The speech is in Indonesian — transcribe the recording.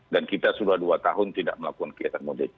dan kita sudah dua tahun tidak melakukan kegiatan mudik